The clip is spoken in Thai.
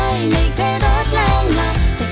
ความเธอเป็นหรอกไร๐๔